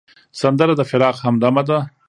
سندره د فراق همدمه ده